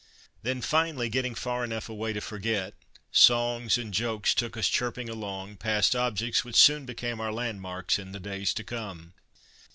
Then, finally, getting far enough away to forget, songs and jokes took us chirping along, past objects which soon became our landmarks in the days to come.